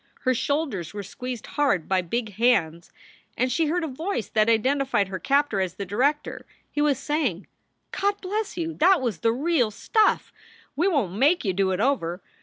Her shoulders were squeezed hard by big hands and she heard a voice that identified her captor as the director. He was saying: "God bless you! That was the real stuff! We won t make you do it over.